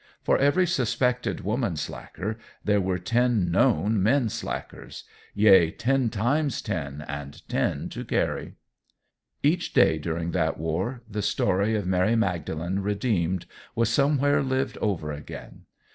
For every suspected woman slacker there were ten known men slackers yea, ten times ten and ten to carry. Each day, during that war, the story of Mary Magdalene redeemed was somewhere lived over again.